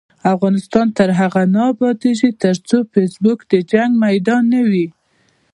افغانستان تر هغو نه ابادیږي، ترڅو فیسبوک د جنګ میدان نه وي.